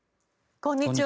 こんにちは。